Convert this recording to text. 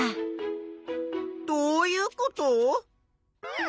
どういうこと？